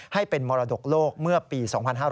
ให้เป็นมรดกโลกเมื่อปี๒๕๕๙